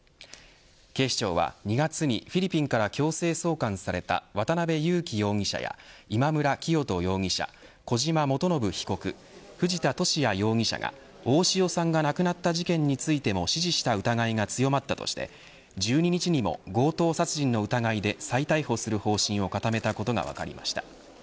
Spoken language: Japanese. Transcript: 警視庁は２月にフィリピンから強制送還された渡辺優樹容疑者や今村磨人容疑者小島智信被告藤田聖也容疑者が大塩さんが亡くなった事件についても指示した疑いが強まったとして１２日にも強盗殺人の疑いで再逮捕する方針を固めたことが分かりました。